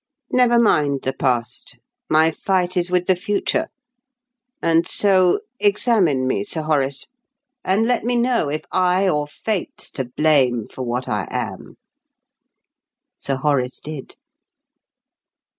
Never mind the past; my fight is with the future, and so examine me, Sir Horace, and let me know if I or Fate's to blame for what I am." Sir Horace did.